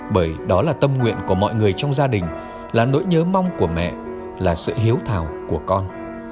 bởi đó là tâm nguyện của mọi người trong gia đình là nỗi nhớ mong của mẹ là sự hiếu thảo của con